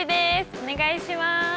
お願いします。